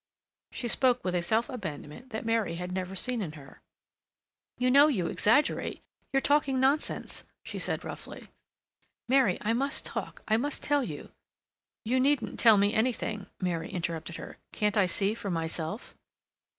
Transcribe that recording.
She spoke with a self abandonment that Mary had never seen in her. "You know you exaggerate; you're talking nonsense," she said roughly. "Mary, I must talk—I must tell you—" "You needn't tell me anything," Mary interrupted her. "Can't I see for myself?"